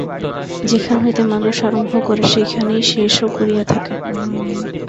যেখান হইতে মানুষ আরম্ভ করে, সেইখানেই শেষও করিয়া থাকে।